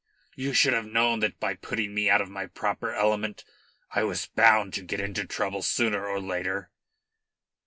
You should have known that by putting me out of my proper element I was bound to get into trouble sooner or later."